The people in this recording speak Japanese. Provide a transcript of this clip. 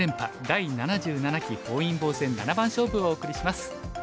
第７７期本因坊戦七番勝負」をお送りします。